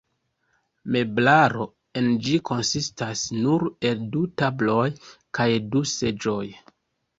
Meblaro en ĝi konsistas nur el du tabloj kaj du seĝoj.